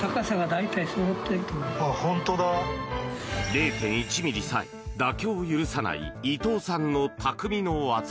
０．１ｍｍさえ妥協を許さない伊藤さんのたくみの技。